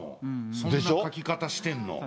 そんな書き方してんの。